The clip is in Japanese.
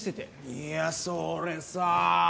いやそれさぁ